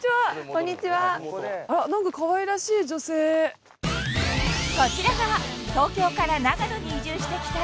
こんにちは何かかわいらしい女性こちらが東京から長野に移住してきた